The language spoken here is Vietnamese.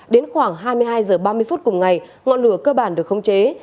đến khoảng hai mươi hai h ba mươi phút cùng ngày ngọn lửa cơ bản được khống chế